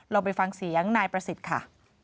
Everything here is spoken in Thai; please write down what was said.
เราไปฟังเสียงนายประสิทธิ์ค่ะ